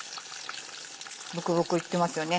ブクブクいってますよね